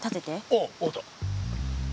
ああ分かった。